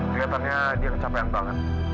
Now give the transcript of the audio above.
kelihatannya dia terlalu capek